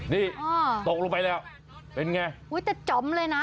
อ๋อนี่อ่อตกลงไปแล้วก็ยึ่งไงวันนี้จะจ๊อบเลยน่ะ